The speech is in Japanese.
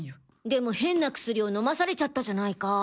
でも変な薬を飲まされちゃったじゃないか。